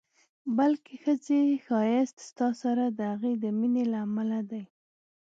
بلکې ښځې ښایست ستا سره د هغې د مینې له امله دی.